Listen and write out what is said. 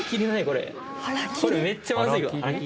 これめっちゃまずいわ。